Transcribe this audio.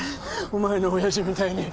お前の親父みたいに。